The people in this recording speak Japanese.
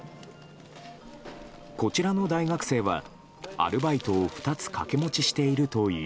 こちらの大学生はアルバイトを２つ掛け持ちしているといい。